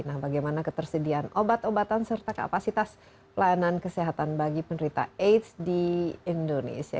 nah bagaimana ketersediaan obat obatan serta kapasitas pelayanan kesehatan bagi penderita aids di indonesia